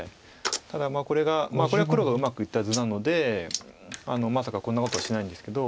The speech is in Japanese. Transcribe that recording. ただこれがこれは黒がうまくいった図なのでまさかこんなことはしないんですけど。